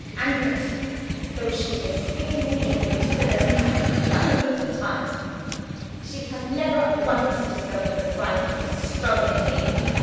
And yet though she has seen me in Lucilla's company hundreds of times she has never once discovered the signs of a struggle in me!